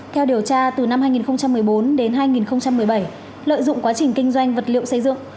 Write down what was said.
theo điều tra từ năm hai nghìn một mươi bốn đến hai nghìn một mươi bảy lợi dụng quá trình kinh doanh vật liệu xây dựng